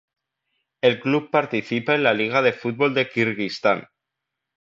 El club participa en la Liga de fútbol de Kirguistán.